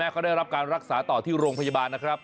เขาได้รับการรักษาต่อที่โรงพยาบาลนะครับ